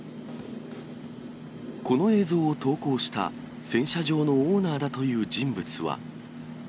この映像を投稿した、洗車場のオーナーだという人物は。